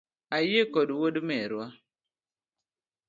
Ayie kodi wuod merwa